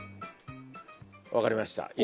わかりました。